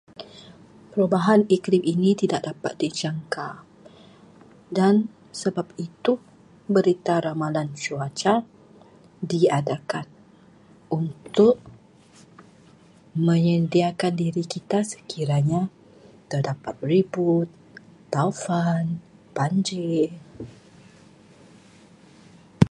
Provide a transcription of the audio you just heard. Perubahan iklim ini tidak dapat dijangka, dan sebab itu berita ramalan cuaca diadakan untuk menyediakan diri kita sekiranya terdapat ribut, taufan, banjir.